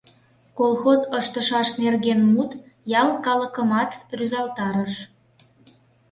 Колхоз ыштышаш нерген мут ял калыкымат рӱзалтарыш.